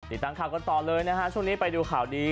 ติดตามข่าวกันต่อเลยนะฮะช่วงนี้ไปดูข่าวดี